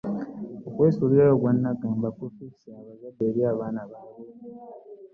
Okwesuulirayo ogwa naggamba kususse abazadde eri abaana baabwe.